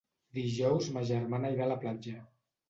Dijous ma germana irà a la platja.